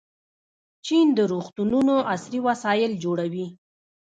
چین د روغتونونو عصري وسایل جوړوي.